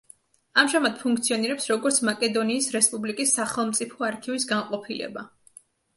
ამჟამად ფუნქციონირებს, როგორც მაკედონიის რესპუბლიკის სახელმწიფო არქივის განყოფილება.